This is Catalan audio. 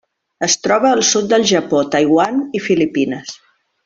Es troba al sud del Japó, Taiwan i Filipines.